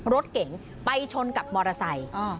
รถเก๋งไปชนกับมอเตอร์ไซค์